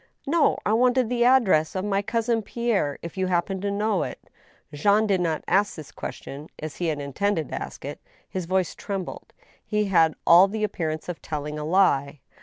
" No. I wanted the address of my cousin Pierre, if you happen to know it." Jean did not ask this question as he had intended to ask it. His voice trembled. He had all the appearance of telling a lie.